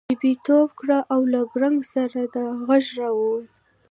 ببۍ ټوپ کړه او له کړنګ سره دا غږ را ووت.